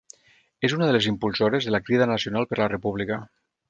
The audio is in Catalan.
És una de les impulsores de la Crida Nacional per la República.